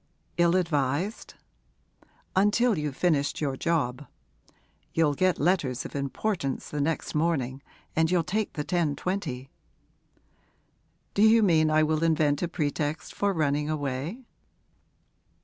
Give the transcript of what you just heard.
'Ill advised?' 'Until you've finished your job. You'll get letters of importance the next morning, and you'll take the 10.20.' 'Do you mean I will invent a pretext for running away?'